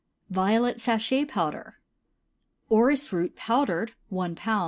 VIOLET SACHET POWDER. Orris root, powdered 1 lb.